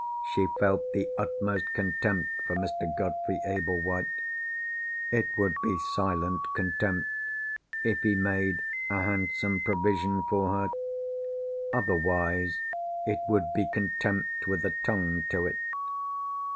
She felt the utmost contempt for Mr. Godfrey Ablewhite. It would be silent contempt, if he made a handsome provision for her. Otherwise, it would be contempt with a tongue to it.